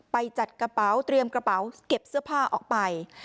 จัดกระเป๋าเตรียมกระเป๋าเก็บเสื้อผ้าออกไป